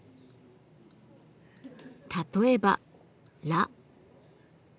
例えば「ら」。